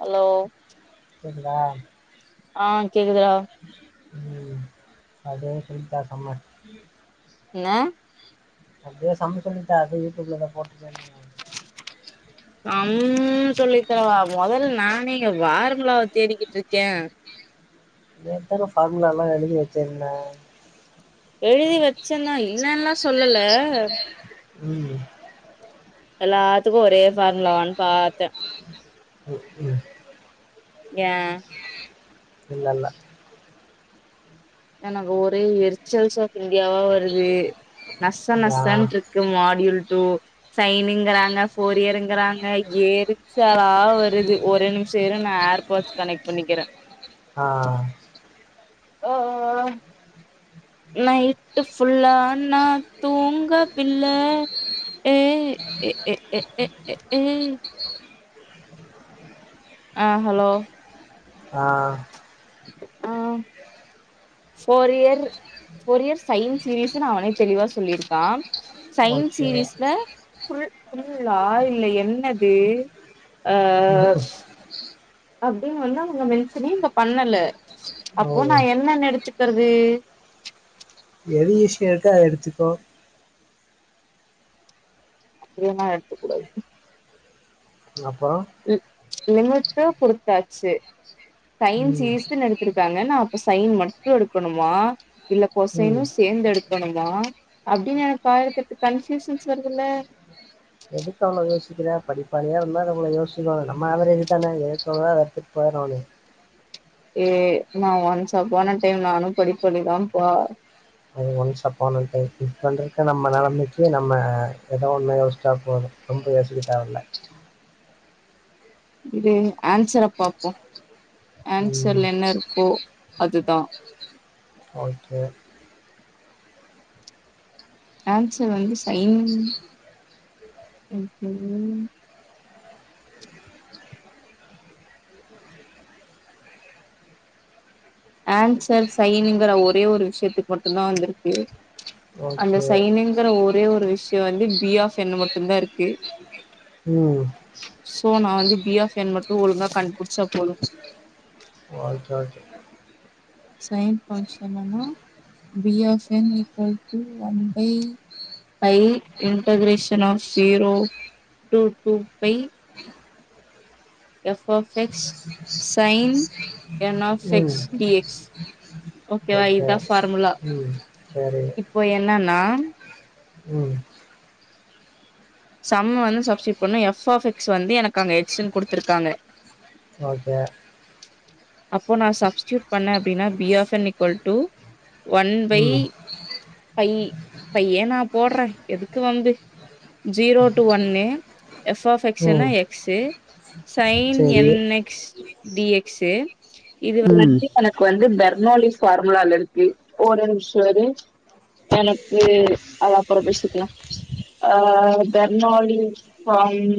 Hello கேட்குதா ஆஹ் கேக்குதுறா உம் அதே சொல்த்தா சம்மு என்ன அதே சம்மு சொல்லிதா அத எடுத் இதுல என்ன போட்டுடா இர்ந்தீங்க உம் சொல்லி தரவா மொதல நானே இங்க ஃபார்முலாவ தேடிக்கிட்டுருக்கே நேத்துதான ஃபார்முலா எல்லா எழுதி வச்சிருந்தே எழுதி வச்சதா இல்லனல் சொல்லல உம் எல்லாத்துக்கு ஒரே ஃபார்முலாவான் பாத்தே உ உம் ஏ இல்லல்ல எனக்கு ஒரே வெர்ச்சல்ஸ் ஆப் இன்டியாவா வருதே நச யா. நசன்ட்ர்க்கு மாடியல் டூ சைனுங்கறாங்க கொரியருங்கறாங்க எரிச்சாளா வருது ஒரு நிமிஷ இருங்க ஏர்போர்ட்ஸ் கனெக்ட் பண்ணிக்ற ஆஹ் ஓஒ ஆஹ் நைட்டு ஃபுல்லா நா தூங்கவில்ல ஏ ஏ ஏ ஏ ஏ ஏ ஆஹ் ஹலோ ஆஹ் ஆஹ் போர் இயர் போர் இயர்ஸ் சயின் சீரீஸ்ன்னு அவனே தெளிவா சொல்லிருக்கா சயின்ஸ் ஓகே. சீரீஸ்ல ஃபுல் ஃபுல்லா இல்ல என்னது அஹ் ம்ஹும். அப்டின்னு வந்தா அங்க மென்சனே இங்க பண்ணல ஓ. அப்போ நா என்னனெனு எடுத்துக்கறது எது ஈசியா இருக்கோ அது எடுத்துக்கோ அப்டியன்னா எடுத்துக் கூடாது அப்றோ லிமிட்டா கொடுத்தாச்சு சைன்ஸ் ம். ஈஸ்ன்னு எடுத்திருக்காங்க நா அப்ப சைன் மட்டு எடுக்கணுமா இல்ல ம். கொசைன்னு சேந்து எடுக்கணுமா அப்டின்னு எனக்கு பாக்ரக்கு கன்ப்யூசன்ஸ் வருதில்ல எதுக்கு அவ்ள யோசிக்ற படிப்பாளியா இருந்தா நம்ம யோசிக்கோனு நம்ம ஏவரேஜ்தானே [unintelligible] எத்துட்டு போய்றோனு ஏ நா ஒன்ஸ் அப்பான டைம்ல நானு படிப்பாளிதா போ அது ஒன்ஸ் அப்பான டைம் இப்பண்றிக்க நம்ம நெலமைக்கே நம்ம எதோ ஒண்ணு யோசிச்சா போது ரொம்ப யோசிக்க தேவல்ல இது ஏன்சரா பாப்போ ம். ஏன்சர்ல என்ன இருக்கோ அதுதா ஓகே ஏன்சர் வந்து சைன் ம்ஹ்ஹூ ஏன்சர் சைனுங்கற ஒரே ஒரு விஷ்யத்துக்கு மட்டுதா வந்துருக்கு அந்த ஓகே. சைன்ங்கற ஒர் ஒரே ஒரு விஷ்யோ வந்து பி ஆப் என் மட்டுந்தா இருக்கு ம். சோ நா வந்து பி ஆப் என் மட்டு ஒழுங்கா கண்டுபுடிச்சா போது ஓகே ஓகே நெயன் பாய்ண்ட் செவென்னா B of N equal to one by pi integration of zero to two pi F of X sine N of X ம். டி எக்ஸ் ஓகேவா ஓகே. இதா ஃபார்முலா ம். சரி. இப்போ என்னன்னா ம். சம்ம வந்து சப்ஸ்கிரைட் பண்ணும் எஃப் ஆஃப் எக்ஸ் வந்து எனக்கு அங்க எக்்ஸன்ன கொடுத்துருக்காங்க ஓகே அப்போ நான் சப்ஸ்டூட் பண்ண அப்படின்னா பில் ட ஒன் பை ம். ப ஏன் நான் போடுறேன் எதுக்கு வந்து ஜீரோ டூ ஒன்னு எஃப் ஆப் எக்ஸ்ன்னா ம். எக்ஸ்ு சைன் சரி. என்எக்ஸ்ட் டிஎக்ஸஏ ம். இதுந்து எனக்கு வந்து பெர்னாலி ஃபார்முல இருக்கு ஒரு நிமிஷம் இரு எனக்கு அது அப்புறம் பேசிக்கலாம் அ பெர்னாலி ஃபார்ம்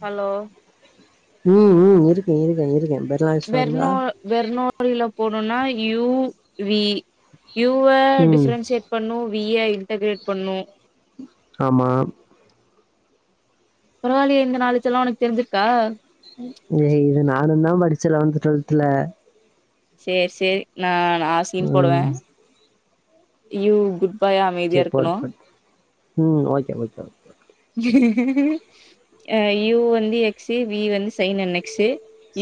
ஹலோ இருக்கே இருக்கே இருக்கே வெர்நோ வெர்நோ இல போணனா யூவி யூ ம். டிஃப்ரென்சியேட் பண்ணும் வி ஏ இன்டகரேட் பண்ணும் ஆமா பரவாலியே இந்த நாலெட்ஜெ எல்லாம் உனக்கு தெரிஞ்சிருக்கா ஏய் இது நானும் தான் படிச்சேன் லெவன்த் டுவெல்த்ல சேரி சேரி நா நான் சீன் போடுவே ம். யு குட் பாயா சரி அமைதியா ப இருக்கணு பம் ம் ஓகேஓகே அ யூ வந்து எக்ஸு ப வந்து sine and x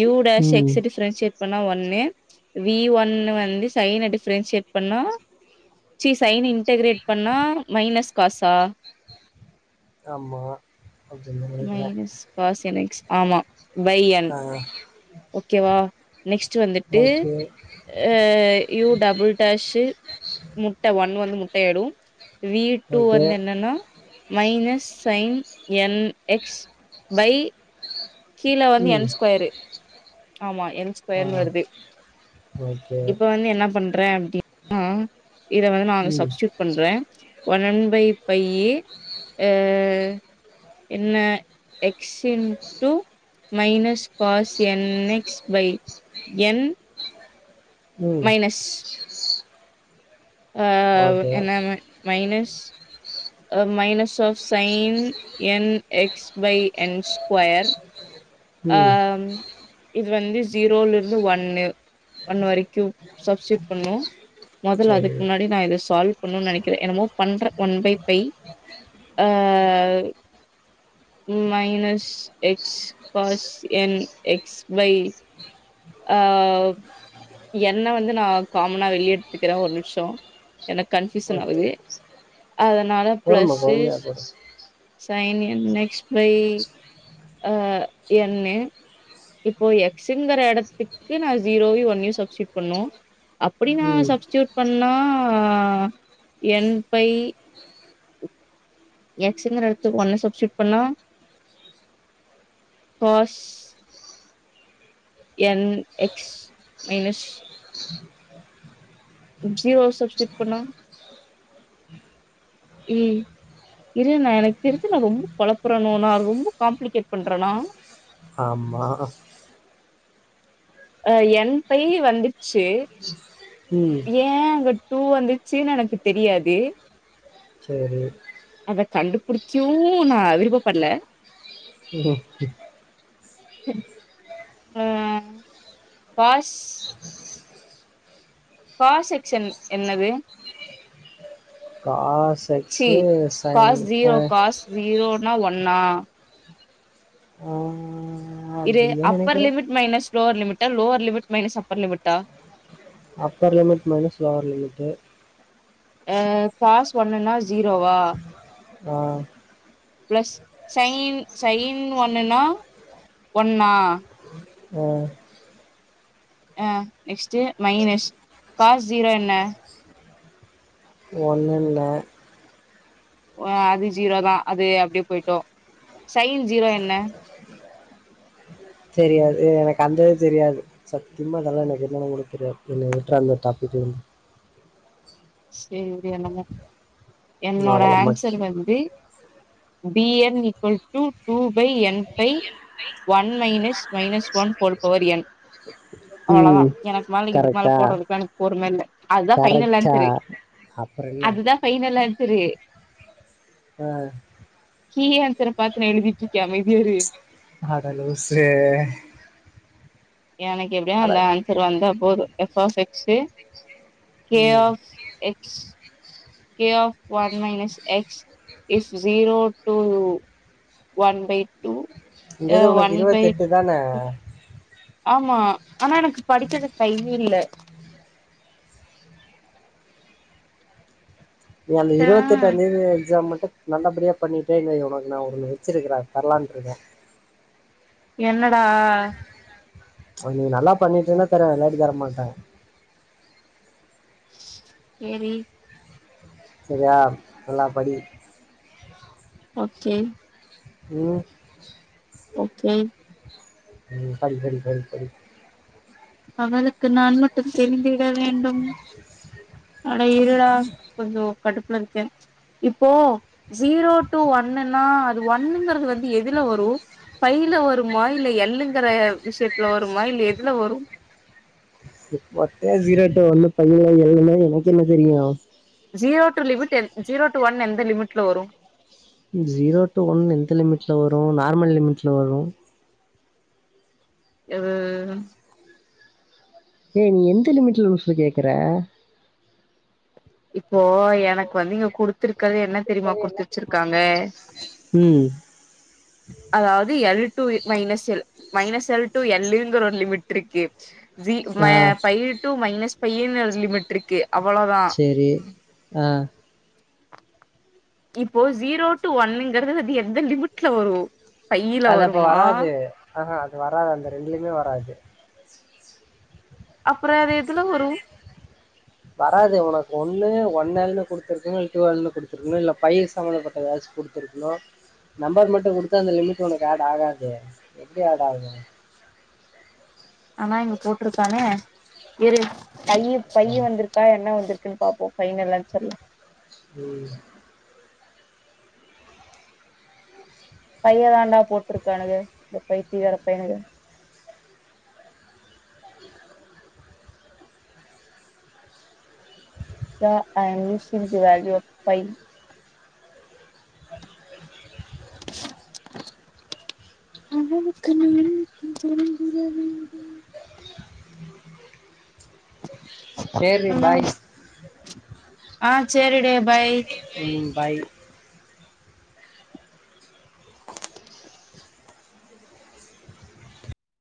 you dash ம். எக்ஸ் ச டிஃப்ரென்ஷியேட் பண்ணா ஒன்னு வி ஒன்னு வந்து சைன் டிஃபரென்ஸ் செட் பண்ணா சி சைன் இன்டகரேட் பண்ணா மைனஸ் காசா ஆமா அப்டின்னு நெனைக்கிறே மைனஸ் பாச ஆமா பை யன் ஆ கேவ நெக்ஸ்ட்டூ வந்துட்டு ஓகே யூ டபுள் டேஷு முட்டை ஒன்னு வந்து முட்டை ஆய்டு வீ டூ ஓகே வந்து என்னன்னா minus sine N X by கீழே வந்து ம் என் ஸ்கொயரு ஆமா என் ஆ ஸ்கொயர் ன்னு வருது ஓகே இப்ப வந்து என்ன பண்ற பறேன் அப்ப்டின்னா இத வந்து நான் ம் சப்ஸ்டியூட் பண்றே ஒன்பை பையி என்ன எக்ஸின் two minus cos N X by N உம் ஆஹ் ஓகே என்ன minus minus of sine N X by N square ம் ஆஹம் இது வந்து ஜீரோல இருந்து ஒன்னு ஒன்னு வரைக்கும் சப்ஸூட் பண்ணும் முதல் சரி அதுக்கு முன்னாடி நான் இது சால்வ் நினைக்கிறேன் என்னமோ ப one by pi minus X bus N X by ஆஹ் என்ன வந்து நான் காமனா வெளிய எடுத்துக்கிறேன் ஒரு நிமிஷம் எனக்கு கன்ஃயூசன் ஓகே ஆகுது அதனால பொறும பிளஸு பொறுமையா பேசு சைன் நெக்ஸ பை அஹ் எண்ணு இப்போ எக்ஸுங்கிற இடத்துக்கு நான் ஜீரோயும் ஒன்னையும் சப்ஸுட் பண்ணோம் அப்படி நான் ம் சப்ஸ்சூட் ன்னா என் பை எக்ஸ்ங்கறஇடத்துக்கு ஒண்ண சப்ஸுட் பண்ணா என் எக்ஸ் மைனஸ் ஜி ஒரு சப்ஸுட் பண்ண இ நான் எனக்கு தெரிஞ்சு நான் ரொம்ப குழப்பறணோ நான் ரொம்ப காம்ப்ளிகேட் பண்றேனா ஆமா அஹ என் பையிவந்துச்சு ம் ஏன் அங்க டூ வந்துச்சுன்னு எனக்கு தெரியாது சரி அத கண்டுபிடிக்ச்சும் நான் விருபப்படல ம் ஆஹ் பாஸ் காசெக்க்ஷன் என்னது cos C X sine pass அ ஜீரோ பாஸ் ஜீரோ னா ஒன்னா ஆ இது அப்டின்னு அப்பர் நெனைக்கிறே limit minus lower limit lower limit minus upper லிமிட்டா upper limit minus lower limit அஹ பாஸ் ஒண்ணுனா ஜீரோவா ஆஹ பிளஸ் சைன் சைன் ஒண்ணுன்னா ஒன்னா ஆ ஆஹ் நெக்ஸ்ட் மைனஸ் காஸ் ஜீரோ என்ன ஒன்னுன்னே அது ஜீரோதான் அது அப்படியே போயிட்டோம் சைன் ஜீரோ என்ன தெரியாது எனக்கு அந்த இது தெரியாது சத்தியமா அதெல்லாம் எனக்கு என்னென்னு கூட தெரியாது என்ன விட்டு அந்த டாபிக் வந்து சரி நம்ம நா என்னோட அதெல்லா ஆன்சர் மக்கி வந்து PN equal to two by N by one minus minus one whole power N அவ்ளோதா ம் எனக் மேல இதுக் மேல கரெக்டா போடறதுக்கு எனக் பொரும்மெல்ல அதா பைனல் கரெக்டா லான்சரே அப்புறோ என்ன அதுதா ஃபைனல் செரி அ கீ ஆன்சர பாத்து எழுதிட்டுருக்கியமே இதேரு அட லூசு எனக்கு எப்டியோ அட அந்த ஆன்சர் வந்தா போது எஃபா எக்ஸு கே ம் of X K of one minus X is zero two one by two இந்த அ இது உனக்கு ஒன் பை இருவத்தெட்டு தான டூ. ஆமா ஆனா எனக்கு படிக்கறதுக்கு டைமே இல்ல ஏ அந்த ஆ இருவத்தெட்டாந் தேதி எக்ஸாம் மட்டு நல்லபடியா பண்ணிட்டேன்னுயோ உனக்கு நா ஒன்னு வெச்சிருக்குறே அத தரலான்ட்ருக்கே என்னடா நீ நல்லா பண்ணிட்டீன்னா தரே இல்லாட்டி தர மாட்டே சேரி செரியா நல்லா படி ஓகே ம் ஓகே ம் படி படி படி படி அவளுக்கு நா இன்னு டெஸ்டே [unintelligible] க்க வேண்டும் அட இருடா கொஞ்சோ கடுப்புல இருக்கே இப்போ ஜீரோ டூ ஒன்னுன்னா அது ஒண்ணுங்கறது வந்து எதுல வரு ஃபையில்ல வருமா இல்ல எல்லுங்கற விஷ்யத்துல வருமா இல்ல எதுல வரு ம் மொட்டயா ஜீரோட்டு ஒண்ணு ஃபைய்ல எல்ன்னா எனக்கு என்ன தெரியு zero to லிவிட்டு N zero to ஒன்னு எந்த லிமிட்ல வரு ஜீரோ டூ ஒன்னு எந்த லிமிட்ல வரு நார்மல் லிமிட்ல வரு எது ஏ நீ எந்த லிமிட்ல லூசு கேக்கற இப்போ எனக்கு வந்து இங்க குடுத்துரு கறது என்ன தெரியுமா குடுத்து வெச்சிருக்காங்க ம் அதாவது L two minus L minus L two எல்லுங்கற ஒரு லிமிட்ருக்கே ஜி ஆ ம பைய்ல் டூ மைனஸ் பையன லிமிட் இருக்கு அவ்வளோதா சேரி ஆ இப்போ ஜீரோ டு ஒன்னுங்கிறது அது எந்த லிமிட்ல வரும் அது அப்ப வராது ஆஹா அது வராது அந்த ரெண்டுலயுமே வராது அப்புற அது எதுல வரு வராது உனக்கு ஒண்ணு ஒன்னல்னு குடுத்தருக்கணும் இல்ல டூ எல்லுனு குடுத்துருக்கணும் இல்ல ஃபை செவன் பட் ஏதாச்சு குடுத்துருக்கணும் நம்பர் மட்டு குடுத்தா அந்த லிமிட் உனக்கு ஆட் ஆகாது எப்டி ஆட் ஆகு ஆனா இங்க போட்ருக்கானே இரு பையி பையி ம் வந்திருக்கா என்ன வந்திருக் போய் பாப்போம் ஃபைனல் ஆன்சர்ல ம் பைய தாண்டா போட்டிருக்கானுக இந்த பைத்தி கார பையனுக yeah I'm using the value of time அவனுக்கு நான் மட்டும் தெரிந்திட வேண்டும் சேர்ரி வேண்டும் பாய் ஆ செரிடே பய் ம் பாய்